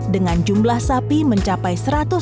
dengan jumlah sapi mencapai